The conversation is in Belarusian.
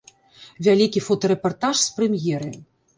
Вялікі фотарэпартаж з прэм'еры.